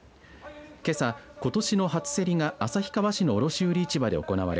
けさ、ことしの初競りが旭川市の卸売市場で行われ